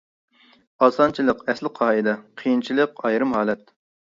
ئاسانچىلىق ئەسلى قائىدە، قىيىنچىلىق ئايرىم ھالەت.